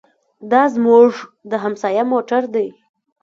دا زموږ د همسایه موټر دی.